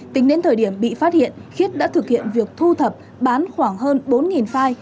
tính đến thời điểm bị phát hiện khiết đã thực hiện việc thu thập bán khoảng hơn bốn file